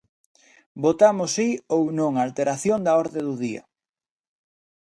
Votamos si ou non á alteración da orde do día.